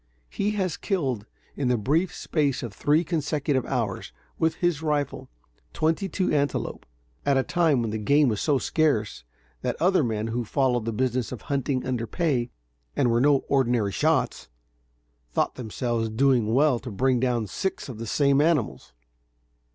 He has killed, in the brief space of three consecutive hours, with his rifle, twenty two antelope, at a time when the game was so scarce, that other men who followed the business of hunting under pay, and were no ordinary shots, thought themselves doing well to bring down six of the same animals.